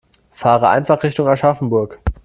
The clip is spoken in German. Fahre einfach Richtung Aschaffenburg